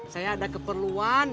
saya ada keperluan